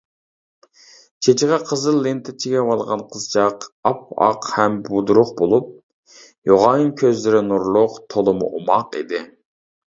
چېچىغا قىزىل لېنتا چىگىۋالغان قىزچاق ئاپئاق ھەم بۇدرۇق بولۇپ، يوغان كۆزلىرى نۇرلۇق، تولىمۇ ئوماق ئىدى.